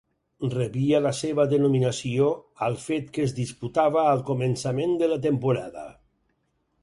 Rebia la seva denominació al fet que es disputava al començament de la temporada.